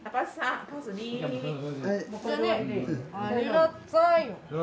ありがたい。